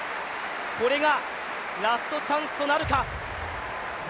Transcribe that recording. これがラストチャンスとなるか。